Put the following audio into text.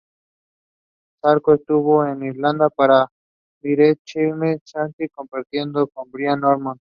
Sarcos estuvo en Irlanda para Variety Children's Charity compartiendo con Brian Ormond.